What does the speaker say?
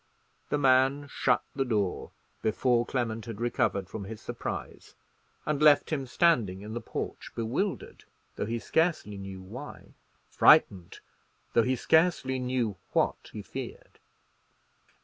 The man shut the door before Clement had recovered from his surprise, and left him standing in the porch; bewildered, though he scarcely knew why; frightened, though he scarcely knew what he feared.